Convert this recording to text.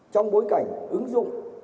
trong bối cảnh ứng dụng